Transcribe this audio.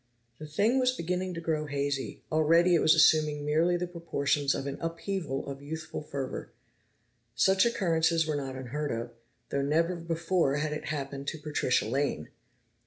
The thing was beginning to grow hazy; already it was assuming merely the proportions of an upheaval of youthful fervor. Such occurrences were not unheard of, though never before had it happened to Patricia Lane!